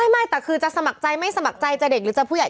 ไม่แต่คือจะสมัครใจไม่สมัครใจจะเด็กหรือจะผู้ใหญ่